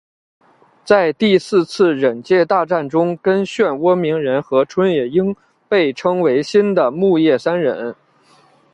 在第四次忍界大战中跟漩涡鸣人和春野樱被称为新的木叶三忍。